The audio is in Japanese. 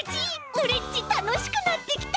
オレっちたのしくなってきた！